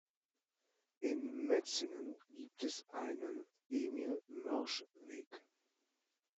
In Metzingen gibt es einen Emil-Mörsch-Weg.